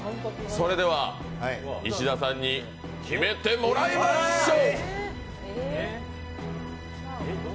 それでは石田さんに決めてもらいましょう。